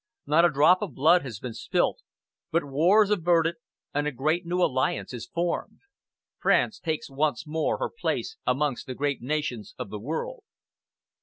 Not a drop of blood has been spilt; but war is averted, and a great, new alliance is formed. France takes once more her place amongst the great nations of the world."